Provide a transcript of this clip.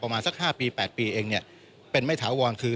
ประมาณสัก๕๘ปีเองเป็นไม่ถาวรคือ